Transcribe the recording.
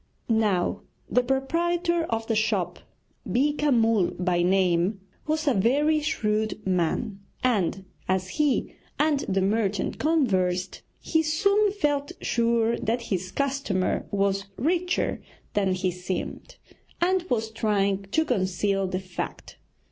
Now, the proprietor of the shop, Beeka Mull by name, was a very shrewd man, and as he and the merchant conversed, he soon felt sure that his customer was richer than he seemed, and was trying to conceal the fact.